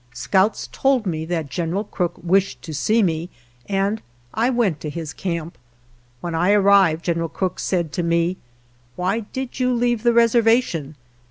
Scouts told me that General Crook wished to see me and I went to his camp. When I arrived General Crook said 137 4 GERONIMO to me, " Why did you leave the reserva tion?